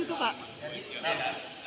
apa gitu pak